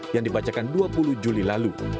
yang dibacakan dua puluh juli lalu